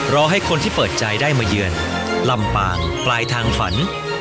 รอให้คนที่เปิดใจได้มาเยือนลำปางปลายทางฝัน